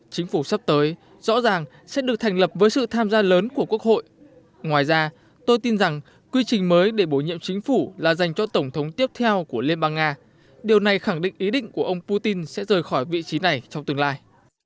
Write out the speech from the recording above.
chính phủ sắp tới rõ ràng sẽ được thành lập với sự tham gia lớn của quốc hội ngoài ra tôi tin rằng quy trình mới để bổ nhiệm chính phủ là dành cho tổng thống tiếp theo của liên bang nga điều này khẳng định ý định của ông putin sẽ rời khỏi vị trí này trong tương lai